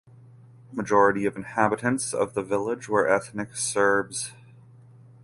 Majority of inhabitants of the village were ethnic Serbs.